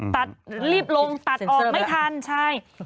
ตัดรีบลงตัดออกไม่ทันใช่